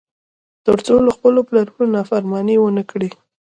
تر څو له خپلو پلرونو نافرماني ونه کړي.